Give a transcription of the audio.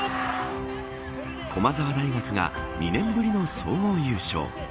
駒澤大学が２年ぶりの総合優勝。